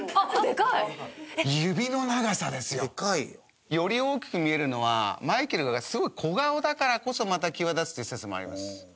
でかいよ。より大きく見えるのはマイケルがすごい小顔だからこそまた際立つという説もあります。